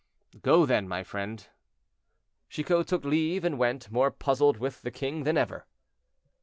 "Go, then, my friend." Chicot took leave and went, more puzzled with the king than ever.